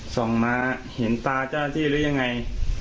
ส่งมาเห็นตาเจ้าหน้าที่หรือยังไง